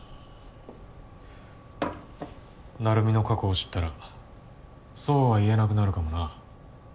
成海の過去を知ったらそうは言えなくなるかもな。